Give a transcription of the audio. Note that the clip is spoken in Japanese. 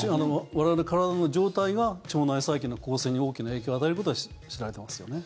我々、体の状態が腸内細菌の構成に大きな影響を与えることは知られてますよね。